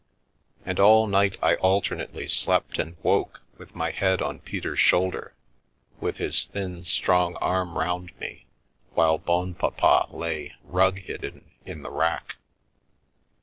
And all night I alternately slept and woke with my head on Peter's shoulder, with his thin, strong arm round me, while Bonpapa lay, rug hid den, in the rack.